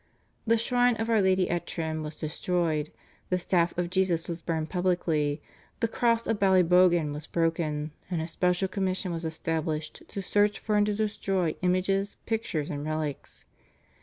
The shrine of Our Lady at Trim was destroyed; the Staff of Jesus was burned publicly; the Cross of Ballybogan was broken, and a special commission was established to search for and to destroy images, pictures, and relics.